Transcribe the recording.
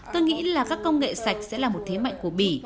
tôi nghĩ là các công nghệ sạch sẽ là một thế mạnh của bỉ